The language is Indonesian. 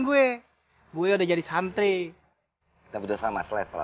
gue gue udah jadi santri tak che edges lebih semacam yang nomor ya